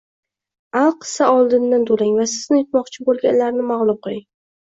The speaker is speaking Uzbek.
Alkissa, oldindan to'lang va sizni yutmoqchi bo'lganlarni mag'lub qiling